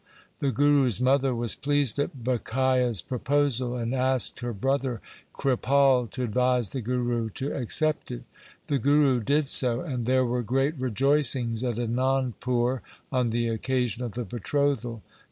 The Guru's mother was pleased at Bhikhia' s proposal, and asked her brother Kripal to advise the Guru to accept it. The Guru did so, and there were great rejoicings at Anandpur on the occasion of the betrothal.